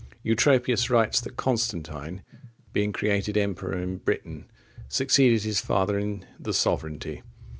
Eutropius writes that Constantine, being created emperor in Britain, succeeded his father in the sovereignty.